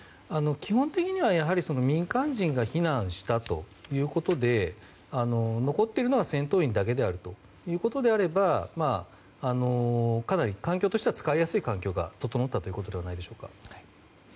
基本的には民間人が避難したということで残っているのは戦闘員だけであるということであればかなり環境としては使いやすい環境が整ったということではないでしょうか。